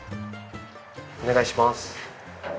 お願いします。